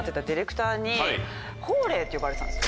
ホウレイって呼ばれてたんですよ。